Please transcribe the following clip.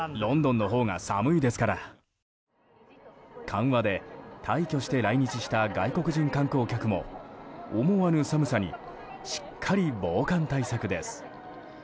緩和で大挙して来日した外国人観光客も思わぬ寒さにしっかり防寒対策です。